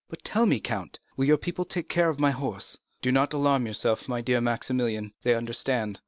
But tell me, count, will your people take care of my horse?" "Do not alarm yourself, my dear Maximilian—they understand."